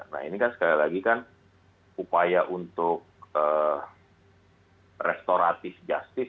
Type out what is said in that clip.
nah ini kan sekali lagi kan upaya untuk restoratif justice